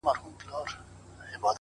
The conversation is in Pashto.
دا کيږي چي زړه له ياده وباسم !!